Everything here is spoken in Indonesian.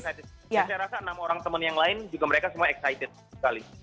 saya rasa enam orang teman yang lain juga mereka semua excited sekali